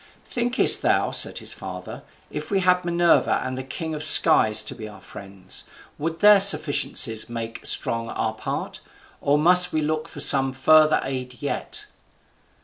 "Thinkest thou," said his father, "if we had Minerva and the king of skies to be our friends, would their sufficiencies make strong our part; or must we look out for some further aid yet?"